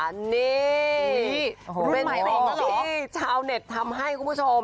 นี่เป็นอีกทีชาวเน็ตทำให้คุณผู้ชม